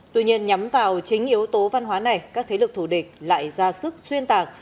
tuy nhiên nhắm vào chính yếu tố văn hóa này các thế lực thủ địch lại ra sức xuyên tạc